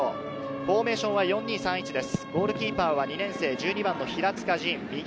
フォーメーションは４−２−３−１です。